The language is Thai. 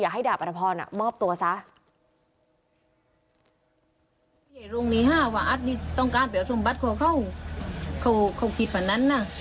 อย่าให้ดาบอธพรมอบตัวซะ